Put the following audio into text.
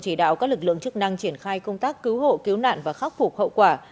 chỉ đạo các lực lượng chức năng triển khai công tác cứu hộ cứu nạn và khắc phục hậu quả